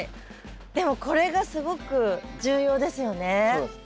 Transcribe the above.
でもこれがすごく重要ですよね。